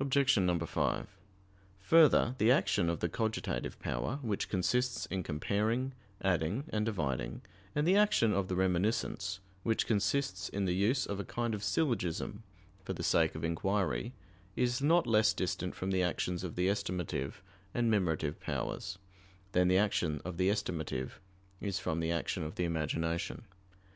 Obj. 5: Further, the action of the cogitative power, which consists in comparing, adding and dividing, and the action of the reminiscence, which consists in the use of a kind of syllogism for the sake of inquiry, is not less distant from the actions of the estimative and memorative powers, than the action of the estimative is from the action of the imagination.